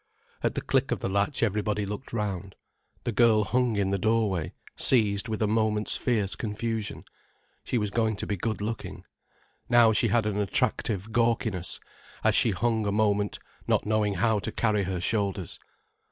At the click of the latch everybody looked round. The girl hung in the doorway, seized with a moment's fierce confusion. She was going to be good looking. Now she had an attractive gawkiness, as she hung a moment, not knowing how to carry her shoulders.